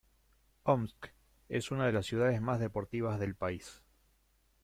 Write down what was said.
Omsk es una de las ciudades más deportivas del país.